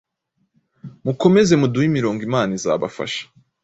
mukomeze muduhe imirongo imana izabafasha